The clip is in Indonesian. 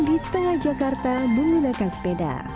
di tengah jakarta bumi dekat sepeda